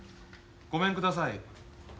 ごめんください。